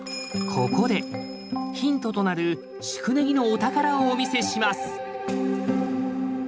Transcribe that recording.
ここでヒントとなる宿根木のお宝をお見せします。